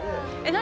何？